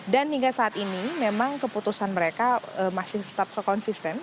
dan hingga saat ini memang keputusan mereka masih tetap sekonsisten